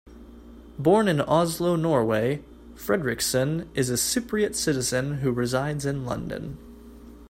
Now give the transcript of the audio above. Born in Oslo, Norway, Fredriksen is a Cypriot citizen who resides in London.